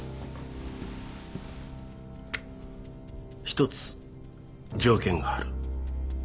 一つ条件がある。